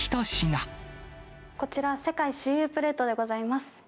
こちら、世界周遊プレートでございます。